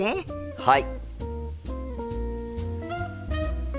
はい！